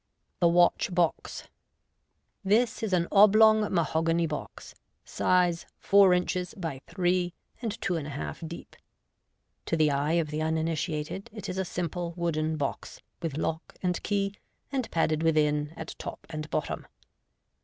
The Watch Box. — This is an oblong mahogany box — size, four inches by three, and two and a half deep. To the eye of the uniniti ated, it is a simple wooden box, with lock and key, and padded within at top and bottom.